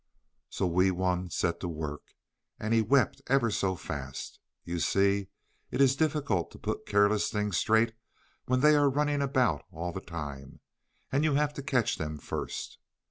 So Wee Wun set to work, and he wept ever so fast. You see it is difficult to put careless things straight when they are running about all the time, and you have to catch them first.